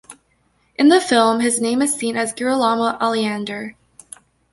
In the film, his name is seen as Girolamo Aleander.